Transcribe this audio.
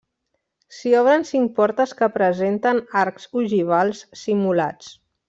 S'hi obren cinc portes que presenten arcs ogivals simulats.